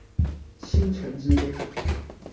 傾城之戀